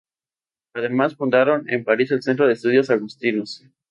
Además, fundaron en París el Centro de Estudios Agustinos.